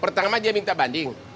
pertama dia minta banding